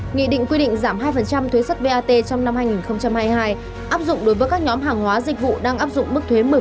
nghị định quy định giảm hai thuế xuất bat trong năm hai nghìn hai mươi hai áp dụng đối với các nhóm hàng hóa dịch vụ đang áp dụng mức thuế một mươi